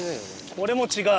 これも違う？